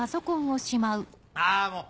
あもう！